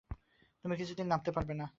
তুমি কিছুতেই নাবতে পার না।